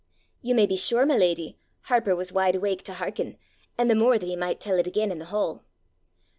"You may be sure, my leddy, Harper was wide awake to hearken, an' the more that he might tell it again in the hall!